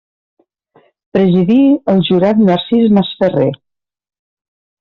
Presidí el jurat Narcís Masferrer.